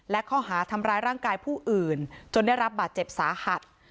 และข้อหาทำร้ายร่างกายผู้อื่นจนได้รับบาดเจ็บสาหัส